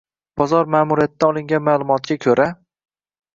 Bozor maʼmuriyatidan olingan maʼlumotga koʻra: